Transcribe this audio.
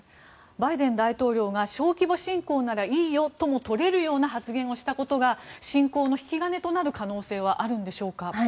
バイデン大統領が小規模侵攻ならいいよとも取れるような発言をしたことが侵攻の引き金となる可能性はあるんでしょうか。